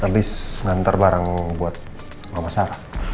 abis ngantar barang buat mama sarah